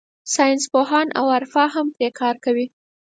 ساینسپوهان او عرفا هم پرې کار کوي.